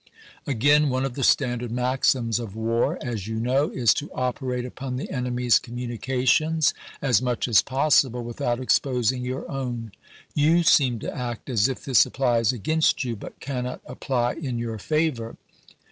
Again, one of the standard maxims of war, as you kuow, is to " operate upon the enemy's communica tions as much as possible without exposing youi* own." You seem to act as if this applies against you, but cannot apply in your favor.